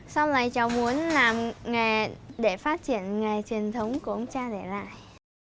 sau này cháu muốn làm nghề để phát triển nghề truyền thống của ông cha để lại